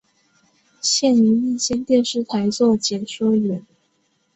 现于一间电视台做解说员。